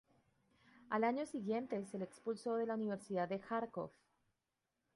Al año siguiente, se le expulsó de la Universidad de Járkov.